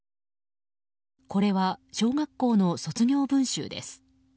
これは小学校の卒業文集です。